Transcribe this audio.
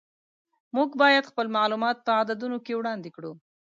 موږ باید خپل معلومات په عددونو کې وړاندې کړو.